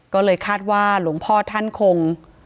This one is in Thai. ก็เลยคาดว่าหลวงพ่อท่านคง